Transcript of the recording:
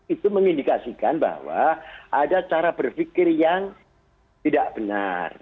itu mengindikasikan bahwa ada cara berpikir yang tidak benar